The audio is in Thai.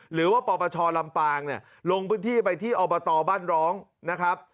หรือว่าปปชลำปางเนี่ยลงพื้นที่ไปที่อบตบ้านร้องนะครับ